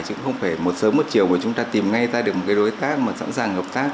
chứ không phải một sớm một chiều mà chúng ta tìm ngay ra được một cái đối tác mà sẵn sàng hợp tác